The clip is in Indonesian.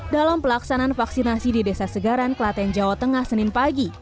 dalam pelaksanaan vaksinasi di desa segaran klaten jawa tengah senin pagi